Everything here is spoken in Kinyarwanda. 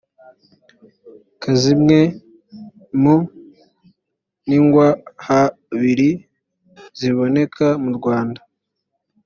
ka zimwe mu nigwahabiri ziboneka mu rwanda